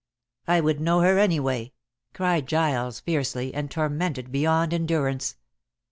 "I would know her anyway," cried Giles fiercely, and tormented beyond endurance.